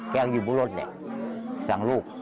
แกก็อยู่บนรถแหละสั่งลูก